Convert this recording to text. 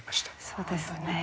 そうですね。